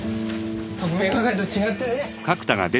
特命係と違ってね。